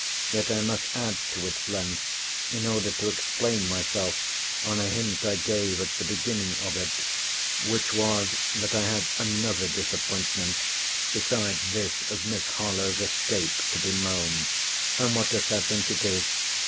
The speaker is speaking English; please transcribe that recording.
Yet I must add to its length, in order to explain myself on a hint I gave at the beginning of it; which was, that I have another disappointment, besides this of Miss Harlowe's escape, to bemoan. And what dost thou think it is?